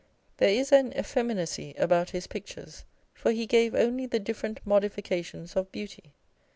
There is an effeminacy about his pictures, for he gave only the different modifications of beauty.